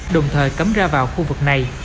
đồng thời cấm ra vào khu vực này